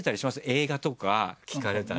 映画とか聞かれたら。